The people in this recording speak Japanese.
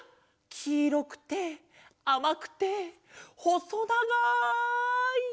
きいろくてあまくてほそながい。